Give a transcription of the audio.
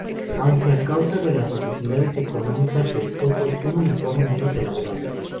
Aunque a causa de las necesidades económicas se optó por un uniforme menos elaborado.